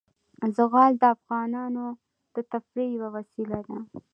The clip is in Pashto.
زغال د افغانانو د تفریح یوه وسیله ده.